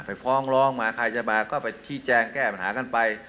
ฟ้องร้องมาใครจะมาก็ไปชี้แจงแก้ปัญหากันไป